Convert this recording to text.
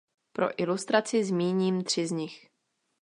Pro ilustraci zmíním tři z nich.